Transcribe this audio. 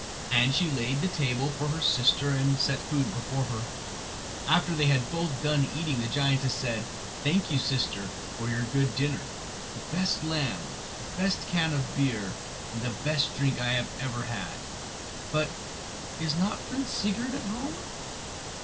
And she laid the table for her sister and set food before her. After they had both done eating the giantess said: "Thank you, sister, for your good dinner—the best lamb, the best can of beer and the best drink I have ever had; but—is not Prince Sigurd at home?"